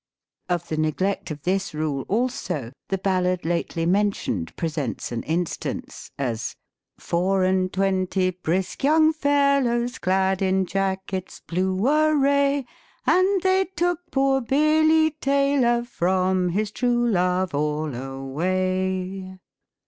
Of the neglect of this rule also, the ballad lately mentioned presents an instance : as, " Four and twenty brisk young fellows Clad in jackets, blue array, — And they took poor Billy Taylor From his true love all avay."